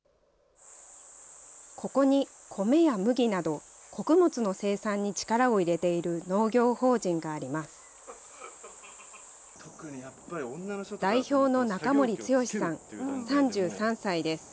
ここに米や麦など、穀物の生産に力を入れている農業法人があります。